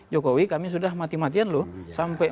jokowi kami sudah mati matian loh sampai